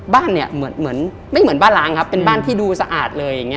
บ้านเนี่ยไม่เหมือนบ้านล้างครับเป็นบ้านที่ดูสะอาดเลย